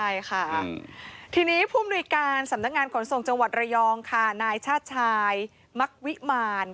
ใช่ค่ะทีนี้ผู้มนุยการสำนักงานขนส่งจังหวัดระยองค่ะนายชาติชายมักวิมาร